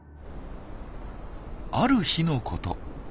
ある日のこと。